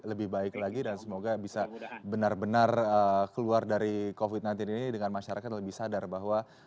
lebih baik lagi dan semoga bisa benar benar keluar dari covid sembilan belas ini dengan masyarakat lebih sadar bahwa